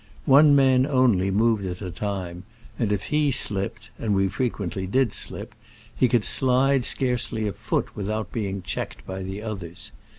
One man only moved at a time, and if he slipped (and we fre quently did slip), he could slide scarce ly a foot without being checked by the others.